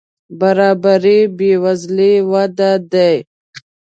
برابري بې وزلي وده دي.